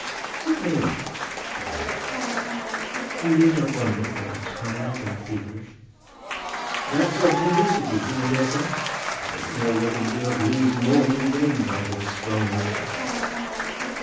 "Certainly not," said Johnny. "You need not wonder that I am tired and feverish." "That sort of thing is fatiguing, I dare say. I don't know whether we do not lose more than we gain by those strong emotions."